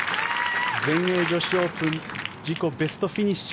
全英女子オープン自己ベストフィニッシュ。